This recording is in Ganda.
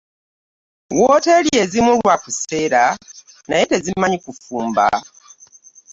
Wooteeri ezimu lwa kuseera naye tezimanyi kufumba.